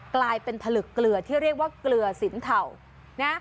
กลายเป็นผลึกเกลือที่เรียกว่าเกลือสินเทานะ